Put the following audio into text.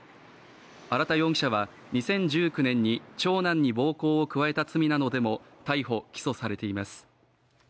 荒田容疑者は２０１９年に長男に暴行を加えた罪などでも逮捕起訴されています